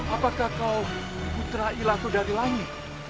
apakah kau putra ilaku dari langit